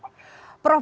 selamat siang mbak